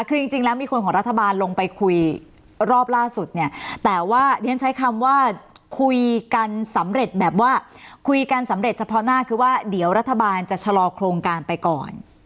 คือจริงแล้วมีคนของรัฐบาลลงไปคุยรอบล่าสุดเนี่ยแต่ว่าเรียนใช้คำว่าคุยกันสำเร็จแบบว่าคุยกันสำเร็จเฉพาะหน้าคือว่าเดี๋ยวรัฐบาลจะชะลอโครงการไปก่อน